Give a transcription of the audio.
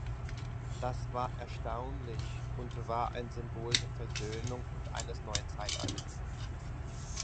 Das war erstaunlich und war ein Symbol der Versöhnung und eines neuen Zeitalters.